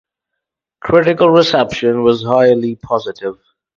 Critical reception was highly positive.